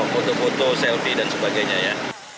foto foto selfie dan sebagainya ya